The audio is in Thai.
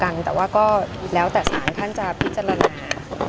ยังแต่ว่าก็แล้วแต่สารท่านจะพิจารณา